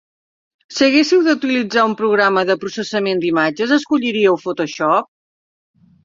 Si haguéssiu d'utilitzar un programa de processament d'imatges, escolliríeu Photoshop?